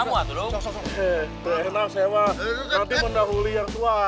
nanti mendahuli yang tua